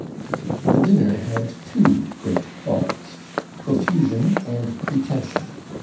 The dinner had two great faults profusion and pretension.